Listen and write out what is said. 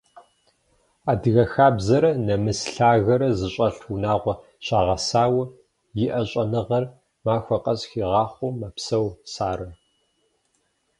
Адыгэ хабзэрэ нэмыс лъагэрэ зыщӏэлъ унагъуэ щагъэсауэ, иӏэ щӏэныгъэр махуэ къэс хигъахъуэу мэпсэу Сарэ.